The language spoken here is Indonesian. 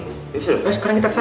ya sudah guys sekarang kita kesana